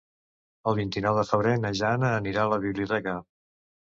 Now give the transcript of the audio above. El vint-i-nou de febrer na Jana anirà a la biblioteca.